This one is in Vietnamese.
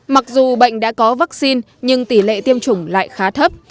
mặc dù bệnh đã có vaccine nhưng tỷ lệ tiêm chủng lại khá thấp